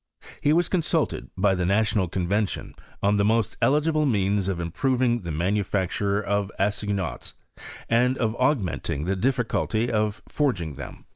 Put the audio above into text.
He was consulted by the National Convention on the most eligible means of improving the manufacture of assignats, and of augmenting the dlfBculty of forging them.